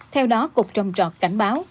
theo đó cục trồng trọt cảnh báo